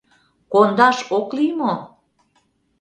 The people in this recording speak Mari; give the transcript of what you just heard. Кондаш ок лий мо?